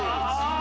あ。